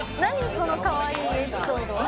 そのかわいいエピソード。